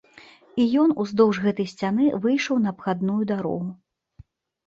І ён уздоўж гэтай сцяны выйшаў на абхадную дарогу.